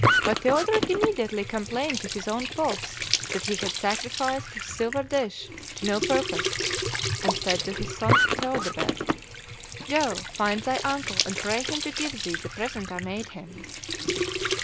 But Theodoric immediately complained to his own folks that he had sacrificed his silvern dish to no purpose, and said to his son Theodebert, 'Go, find thy uncle, and pray him to give thee the present I made him.